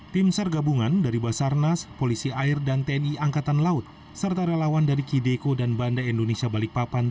tim sar gabungan dari basarnas polisi air dan tni angkatan laut serta relawan dari kideko dan banda indonesia balikpapan